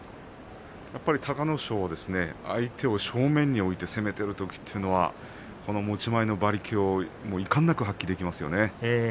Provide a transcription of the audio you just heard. やっぱり隆の勝は相手を正面に置いて攻めているときは持ち前の馬力をいかんなく発揮していますね。